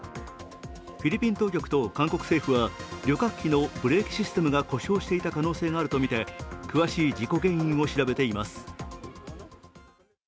フィリピン当局と韓国政府は旅客機のブレーキシステムが故障していた可能性があるとみて詳しい事故原因を調べています。